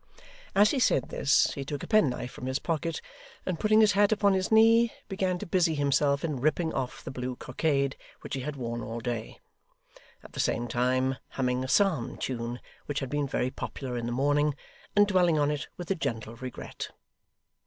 As he said this, he took a penknife from his pocket, and putting his hat upon his knee, began to busy himself in ripping off the blue cockade which he had worn all day; at the same time humming a psalm tune which had been very popular in the morning, and dwelling on it with a gentle regret.